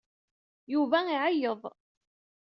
Yuba iɛeyyeḍ.